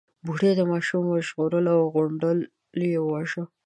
بوډۍ ماشوم وژغورلو او غونډل يې وواژه.